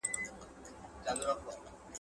ستاسو مرسته پښتو ته نوی ژوند ورکوي.